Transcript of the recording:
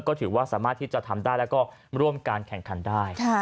ก็ถือว่าสามารถที่จะทำได้แล้วก็ร่วมการแข่งขันได้